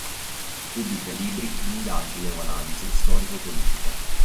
Pubblica libri di indagine o analisi storico-politica.